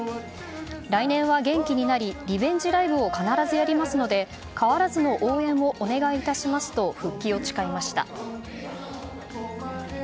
来年は元気になりリベンジライブを必ずやりますので変わらずの応援をお願いいたしますと復帰を誓いました。